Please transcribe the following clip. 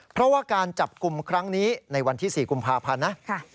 เพราะว่าการจับกลุ่มครั้งนี้ในวันที่๔กุมภาพันธ์นะ